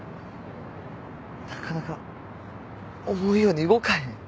なかなか思うように動かへん。